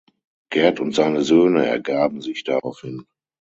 Gerd und seine Söhne ergaben sich daraufhin.